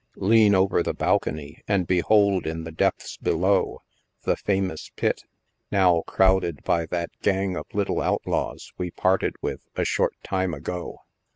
Lean over the balcony and behold in the depths below the famous pit, now crowded by that gang of little outlaws we parted with a short time ago.